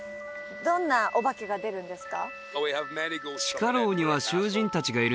どんなお化けが出るんですか？